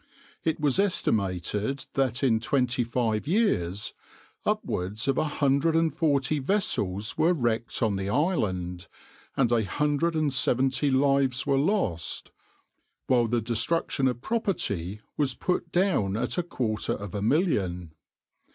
It was estimated that in twenty five years upwards of a hundred and forty vessels were wrecked on the island, and a hundred and seventy lives were lost; while the destruction of property was put down at a quarter of a million.